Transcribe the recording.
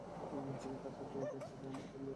তুমি কাছে আসলে এটার স্পন্দন বহুগুণ বেড়ে যায়।